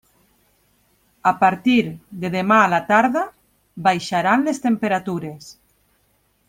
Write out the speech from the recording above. A partir de demà a la tarda baixaran les temperatures.